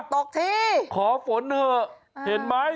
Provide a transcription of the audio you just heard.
ตกที่ขอฝนเถอะเห็นไหม